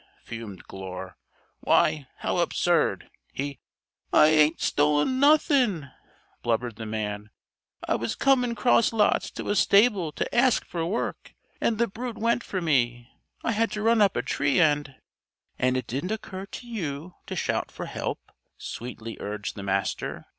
fumed Glure. "Why, how absurd! He " "I hadn't stolen nothing!" blubbered the man. "I was coming cross lots to a stable to ask for work. And the brute went for me. I had to run up a tree and " "And it didn't occur to you to shout for help?" sweetly urged the Master.